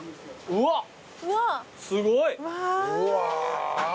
うわすごい。